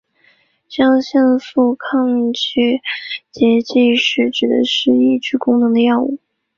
肾上腺素拮抗剂指的是抑制功能的药物。